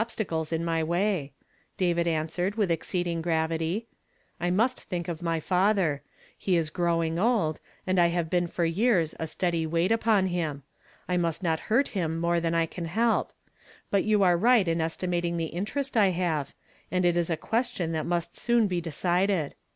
I dy tliu t;^ "There are serious oKstacles in my way," David answered with exceeding gravity ;" I nnist tliink of my father; he is growing old, and I have been for years a steady weight upon him. I nnist not luirt him more than I can help ; hut you are right in estimating the interest I have, and it is a ques tion that nnist soon he decided.